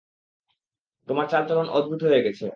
তোমার চাল-চলন অদ্ভুত হয়ে গেছে।